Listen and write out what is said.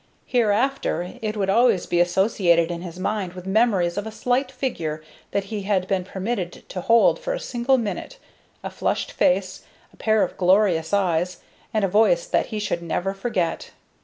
Hereafter it would always be associated in his mind with memories of a slight figure that he had been permitted to hold for a single minute, a flushed face, a pair of glorious eyes, and a voice that he should never forget.